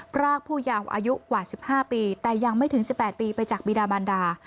พรากผู้ยาวอายุกว่า๑๕ปีแต่ยังไม่ถึง๑๘ปีไปจากบีดามันดา